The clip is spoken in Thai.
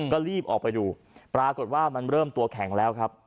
ก็รีบออกไปดูปรากฏว่ามันเริ่มตัวแข็งแล้วครับ